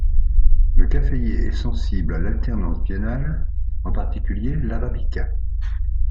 Le caféier est sensible à l'alternance biennale, en particulier l'arabica.